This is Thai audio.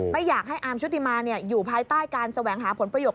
ไม่อยากให้อาร์มชุติมาอยู่ภายใต้การแสวงหาผลประโยชน